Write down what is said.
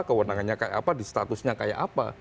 kewenangannya kayak apa di statusnya kayak apa